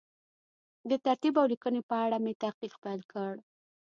د ترتیب او لیکنې په اړه مې تحقیق پیل کړ.